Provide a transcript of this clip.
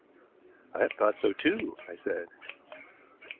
"I have thought so too," I said.